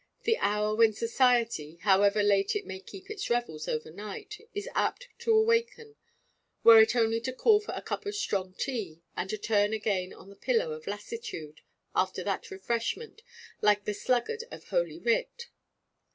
The hour when society, however late it may keep its revels overnight, is apt to awaken, were it only to call for a cup of strong tea and to turn again on the pillow of lassitude, after that refreshment, like the sluggard of Holy Writ.